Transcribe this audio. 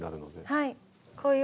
はい。